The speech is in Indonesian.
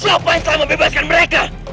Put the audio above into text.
siapa yang salah membebaskan mereka